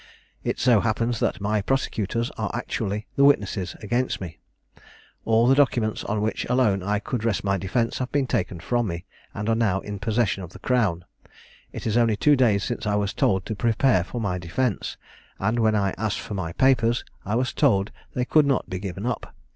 It so happens that my prosecutors are actually the witnesses against me. All the documents on which alone I could rest my defence have been taken from me, and are now in possession of the crown. It is only two days since I was told to prepare for my defence; and when I asked for my papers, I was told they could not be given up.